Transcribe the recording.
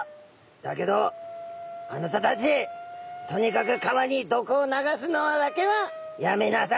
だけどあなたたちとにかく川に毒を流すのだけはやめなされ」。